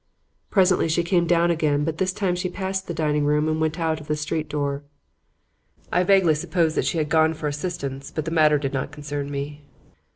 Presently she came down again, but this time she passed the dining room and went out of the street door. I vaguely supposed she had gone for assistance, but the matter did not concern me.